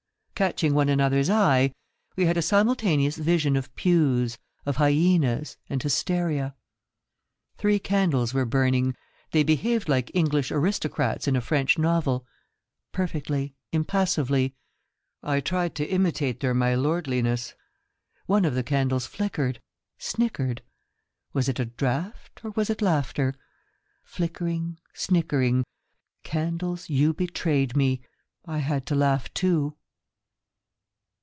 Catching one another's eye, we had a simultaneous vision of pews, of hyenas and hysteria. Three candles were burning. They behaved like English aristocrats in a French novel — perfectly, impassively. I tried to imitate their milordliness. One of the candles flickered, snickered. Was it a draught or was it laughter ? Flickering, snickering — candles, you betrayed me. I had to laugh too.